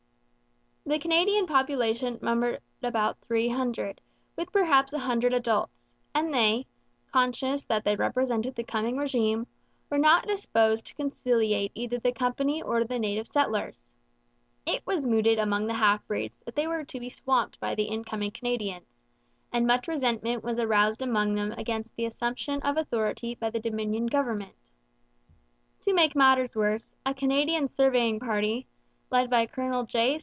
The Canadian population numbered about three hundred, with perhaps a hundred adults, and they, conscious that they represented the coming régime, were not disposed to conciliate either the company or the native settlers. It was mooted among the half breeds that they were to be swamped by the incoming Canadians, and much resentment was aroused among them against the assumption of authority by the Dominion government. To make matters worse, a Canadian surveying party, led by Colonel J.